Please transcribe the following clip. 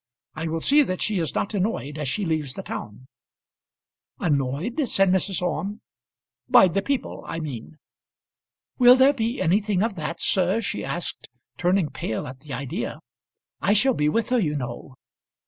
I will see that she is not annoyed as she leaves the town." "Annoyed?" said Mrs. Orme. "By the people I mean." "Will there be anything of that, sir?" she asked, turning pale at the idea. "I shall be with her, you know."